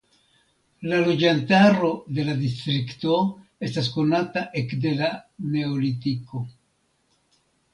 La loĝantaro de la distrikto estas konata ekde la neolitiko.